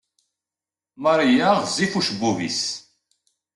Maria ɣezzif ucebbub-is.